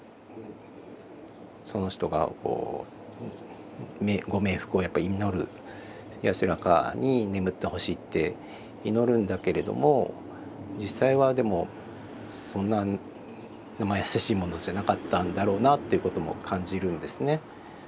その人がご冥福を祈る安らかに眠ってほしいって祈るんだけれども実際はでもそんななまやさしいものじゃなかったんだろうなっていうことも感じるんですね。